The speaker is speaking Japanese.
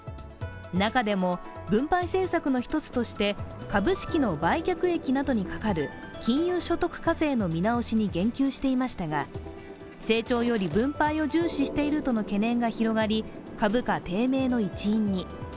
中でも分配政策の一つとして株式の売却益などにかかる金融所得課税の見直しに言及していましたが、成長より分配を重視しているとの懸念が広がり、株価低迷の一因に。